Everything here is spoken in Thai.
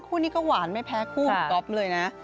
คู่นี้ก็หวานไม่แพ้คู่ของก๊อฟเลยนะ